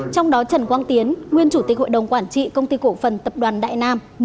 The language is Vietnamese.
trong đó trần quang tiến nguyên chủ tịch hội đồng quản trị công ty cổ phần tập đoàn đại nam